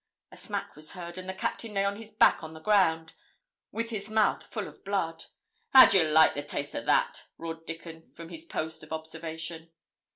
A smack was heard, and the Captain lay on his back on the ground, with his mouth full of blood. 'How do ye like the taste o' that?' roared Dickon, from his post of observation.